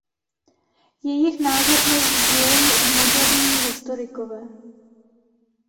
Jejich názor dnes sdílejí i moderní historikové.